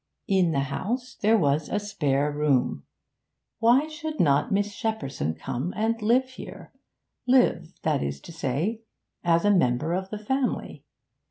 In the house there was a spare room; why should not Miss Shepperson come and live here live, that is to say, as a member of the family?